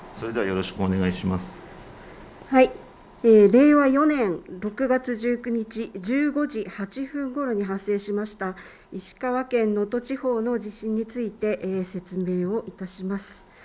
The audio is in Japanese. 令和４年６月１９日１５時８分ごろに発生しました石川県能登地方の地震について説明をいたします。